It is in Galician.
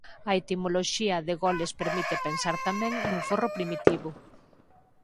A etimoloxía de goles permite pensar tamén nun forro primitivo.